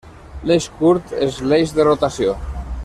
L'eix curt és l'eix de rotació.